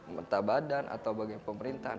entah badan atau bagian pemerintahan